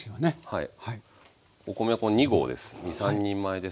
はい。